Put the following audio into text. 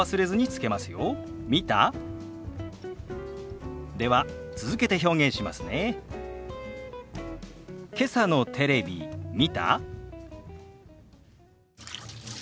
「けさのテレビ見た？」。